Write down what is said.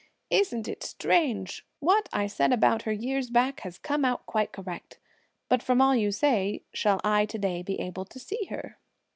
"Isn't it strange? what I said about her years back has come out quite correct; but from all you say, shall I to day be able to see her?"